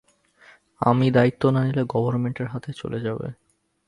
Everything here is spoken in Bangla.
আমি দায়িত্ব না নিলে গভর্নমেন্টের হাতে চলে যাবে।